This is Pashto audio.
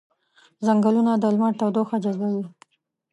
ځنګلونه د لمر تودوخه جذبوي